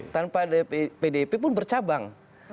tanpa pdip pun bercabang